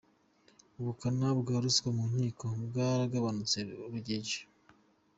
Ubukana bwa ruswa mu nkiko bwaragabanutse – Rugege